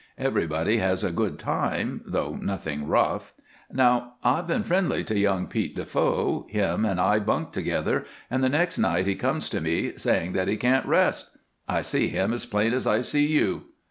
Everybody has a good time, though nothing rough. "Now, I've been friendly to young Pete De Foe him and I bunked together and the next night he comes to me, saying that he can't rest. I see him as plain as I see you.